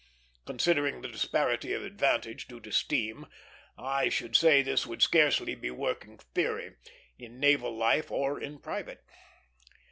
Considering the disparity of advantage, due to steam, I should say this would scarcely be a working theory, in naval life or in private.